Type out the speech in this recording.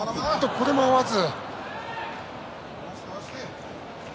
これも合わず。